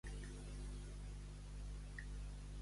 —Què diu? —Que la figa és per al piu!